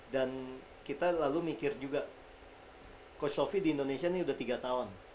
dan kita lalu mikir juga coach sofie di indonesia ini udah tiga tahun